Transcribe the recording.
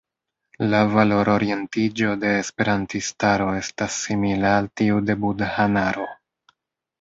La valor-orientiĝo de esperantistaro estas simila al tiu de budhanaro.